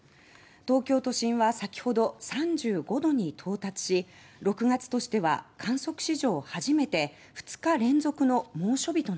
東京都心は先ほど３５度に到達し６月としては観測史上初めて２日連続の猛暑日となりました。